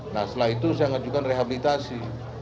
nah setelah itu saya ngajukan rehabilitasi